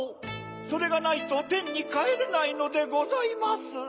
それがないとてんにかえれないのでございます。